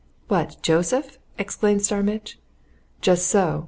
"What Joseph?" exclaimed Starmidge. "Just so!"